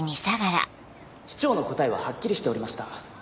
市長の答えははっきりしておりました。